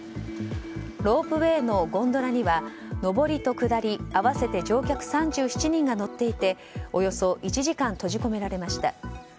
ロープウェーのゴンドラには上りと下り合わせて乗客３７人が乗っていておよそ１時間閉じ込められました。